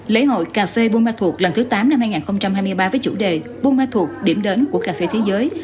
lễ hội cà phê bumathu lần thứ tám năm hai nghìn hai mươi ba với chủ đề bumathu điểm đến của cà phê thế giới